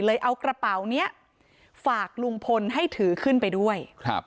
เลยเอากระเป๋าเนี่ยฝากลุงพลให้ถือขึ้นไปด้วย